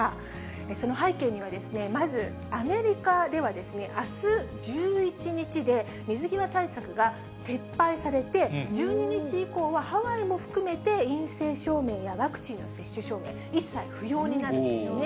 その背景には、まずアメリカではですね、あす１１日で、水際対策が撤廃されて、１２日以降は、ハワイも含めて陰性証明やワクチンの接種証明、一切不要になるんですね。